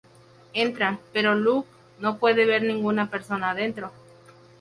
Entran, pero Locke no puede ver ninguna persona adentro.